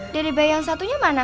dari bayi yang satunya mana